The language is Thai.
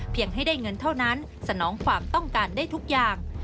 ให้ได้เงินเท่านั้นสนองความต้องการได้ทุกอย่าง